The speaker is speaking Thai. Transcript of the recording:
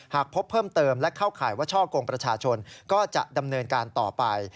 หากพบเพิ่มเติมและเข้าข่ายว่าช่อกงประชาชนก็จะดำเนินการต่อไป